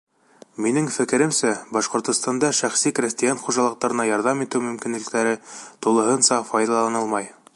Минең фекеремсә, Башҡортостанда шәхси крәҫтиән хужалыҡтарына ярҙам итеү мөмкинлектәре тулыһынса файҙаланылмай.